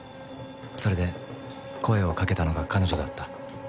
それで声をかけたのが彼女だった。